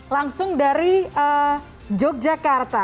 langsung dari yogyakarta